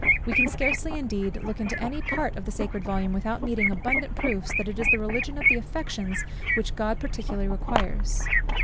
We can scarcely indeed look into any part of the sacred volume without meeting abundant proofs, that it is the religion of the Affections which God particularly requires.